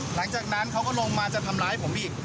หลังจากนั้นเขาก็ลงมาจะทำร้ายผมอีก